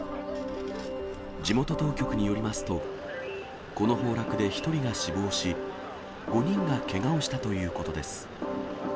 地元当局によりますと、この崩落で１人が死亡し、５人がけがをしたということです。